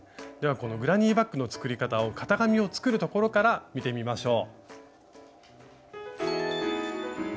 このグラニーバッグの作り方を型紙を作るところから見てみましょう。